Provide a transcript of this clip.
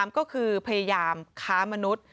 ก็คือพยายามค้ามนุษย์